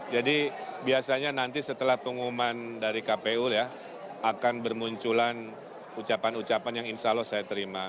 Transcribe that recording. jadi biasanya nanti setelah pengumuman dari kpu ya akan bermunculan ucapan ucapan yang insyaallah saya terima